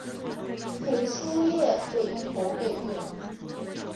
裴叔业北投北魏。